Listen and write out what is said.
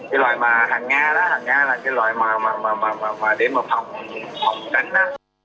cái loại mà hàng nga đó hàng nga là cái loại mà phải đến mà phỏng phỏng tránh đó